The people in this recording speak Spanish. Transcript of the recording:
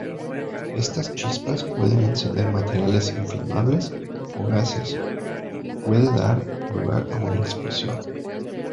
Estas chispas pueden encender materiales inflamables o gases, puede dar lugar a una explosión.